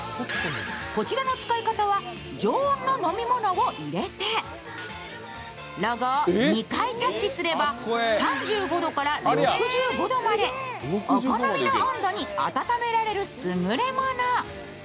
こちらの使い方は常温の飲み物を入れて、ロゴを２回タッチすれば、３５度から６５度までお好みの温度に温められる優れもの。